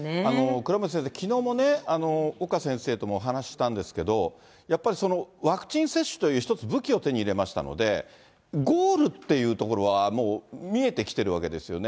倉持先生、きのうもね、岡先生ともお話したんですけれども、やっぱりワクチン接種という１つ武器を手に入れましたので、ゴールっていうところはもう見えてきてるわけですよね。